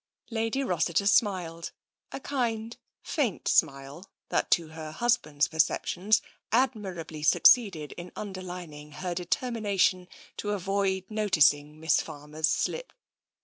Lady Rossiter smiled — a kind, faint smile, that, to her husband's perceptions, admirably succeeded in un derlining her determination to avoid noticing Miss Farmer's slip.